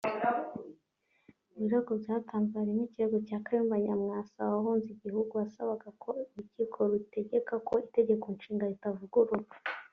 Mu birego byatanzwe harimo ikirego cya Kayumba Nyamwasa wahunze igihugu wasabaga ko urukiko rutegeka ko Itegeko Nshinga ritavugururwa